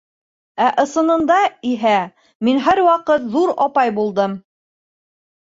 Ә ысынында, иһә, мин һәр ваҡыт «ҙур апай» булдым.